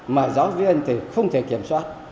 mà giáo viên thì không thể kiểm soát